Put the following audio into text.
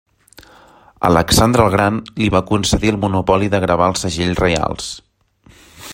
Alexandre el Gran li va concedir el monopoli de gravar els segells reials.